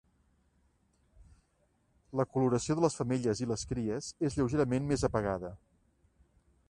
La coloració de les femelles i les cries és lleugerament més apagada.